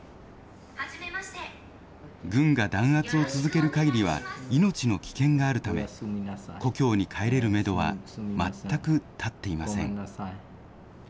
軍が弾圧を続けるかぎりは、命の危険があるため、故郷に帰れるめどは全く立っていません。